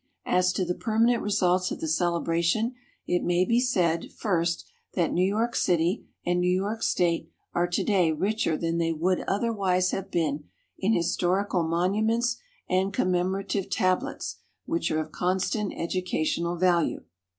As to the permanent results of the celebration, it may be said, first, that New York City and New York State are to day richer than they would otherwise have been in historical monuments and commemorative tablets which are of constant educational value.